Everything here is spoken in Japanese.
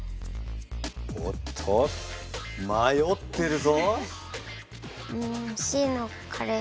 おっと迷ってるぞ？